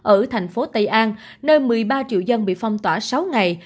ở thành phố tây an nơi một mươi ba triệu dân bị phong tỏa sáu ngày